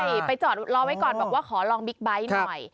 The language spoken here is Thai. ใช่ไปจอดรอไว้ก่อนบอกว่าขอลองบิ๊กไบท์หน่อย